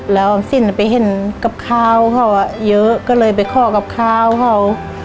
แล้วสินไปเห็นกับข้าวเขาเยอะก็เลยไปขอกับข้าวเขา